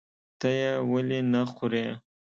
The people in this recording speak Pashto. ته یې ولې نخورې؟